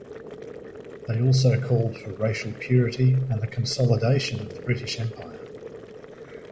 They also called for racial purity and the consolidation of the British Empire.